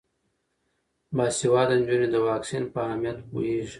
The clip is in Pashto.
باسواده نجونې د واکسین په اهمیت پوهیږي.